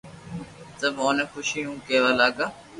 سب اوني خوݾي مون ڪيوا لاگا